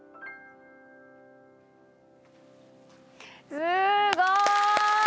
すごい！